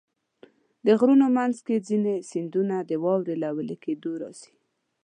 د غرونو منځ کې ځینې سیندونه د واورې له وېلې کېدو راځي.